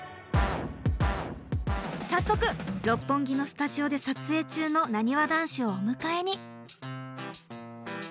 早速六本木のスタジオで撮影中のなにわ男子をお迎えに。